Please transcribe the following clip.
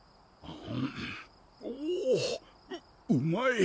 ううまい！